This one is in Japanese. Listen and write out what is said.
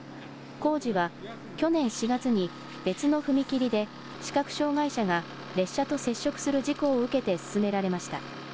工事は去年４月に別の踏切で視覚障害者が列車と接触する事故を受けて進められました。